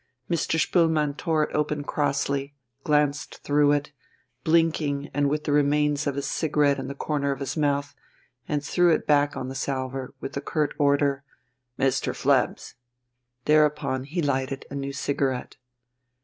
Mr. Spoelmann tore it open crossly, glanced through it, blinking and with the remains of his cigarette in the corner of his mouth, and threw it back on the salver, with the curt order: "Mr. Phlebs." Thereupon he lighted a new cigarette.